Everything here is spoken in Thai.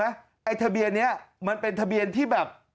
ไอ้ทะเบียนนี้มันเป็นทะเบียนที่แบบ